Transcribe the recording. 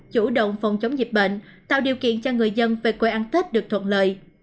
chủ động phòng chống dịch bệnh tạo điều kiện cho người dân về quê ăn tết được thuận lợi